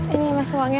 ini mas uangnya